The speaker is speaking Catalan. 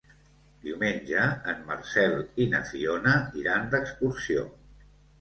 Diumenge en Marcel i na Fiona iran d'excursió.